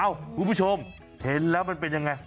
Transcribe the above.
เอ้าคุณผู้ชมเห็นแล้วมันเป็นอย่างไร